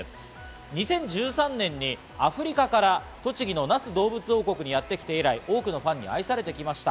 ２０１３年にアフリカから栃木の那須どうぶつ王国にやってきて以来、多くのファンに愛されてきました。